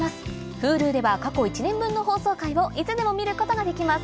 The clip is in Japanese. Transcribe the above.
Ｈｕｌｕでは過去１年分の放送回をいつでも見ることができます